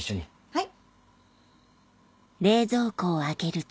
はい。